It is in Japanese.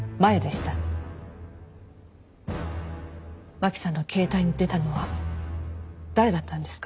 真輝さんの携帯に出たのは誰だったんですか？